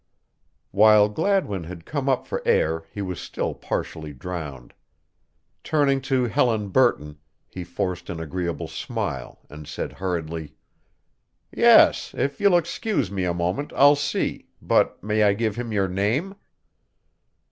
While Gladwin had come up for air he was still partially drowned. Turning to Helen Burton, he forced an agreeable smile and said hurriedly: "Yes, if you'll excuse me a moment I'll see, but may I give him your name?"